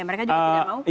mereka juga tidak mau